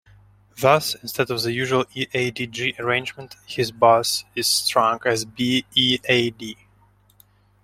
Thus, instead of the usual E-A-D-G arrangement, his bass is strung as B-E-A-D.